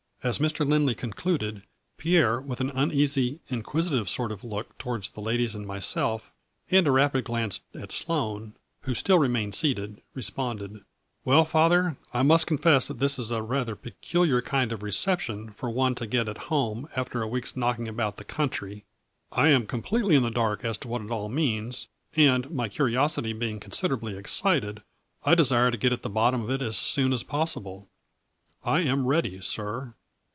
As Mr. Lindley concluded Pierre, with an uneasy, inquisitive sort of look towards the ladies and myself, and a rapid glance at Sloane, who still remained seated, responded :" Well, father, I must confess that this is a rather peculiar kind of reception for one to get at home after a week's knocking about the country. I am completely in the dark as to what it all means, and, my curiosity being con siderably excited, I desire to get at the bottom of it as soon as possible. I am ready, sir."